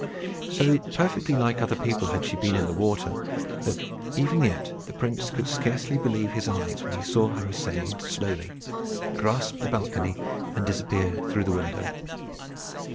So perfectly like other people had she been in the water, that even yet the prince could scarcely believe his eyes when he saw her ascend slowly, grasp the balcony, and disappear through the window.